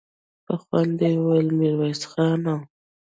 په خوند يې وويل: ميرويس خانه!